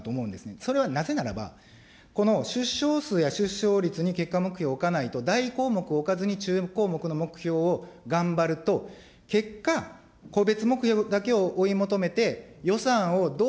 それはなぜならば、この出生数や出生率に結果目標を置かないと大項目置かずに中項目の目標を頑張ると、結果、個別目標だけを追い求めて、予算をどう